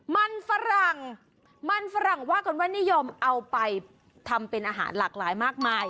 มันฝรั่งมันฝรั่งว่ากันว่านิยมเอาไปทำเป็นอาหารหลากหลายมากมาย